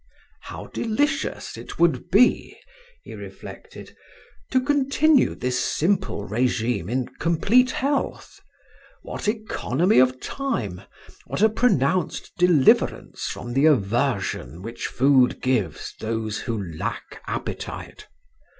"How delicious it would be" he reflected, "to continue this simple regime in complete health! What economy of time, what a pronounced deliverance from the aversion which food gives those who lack appetite!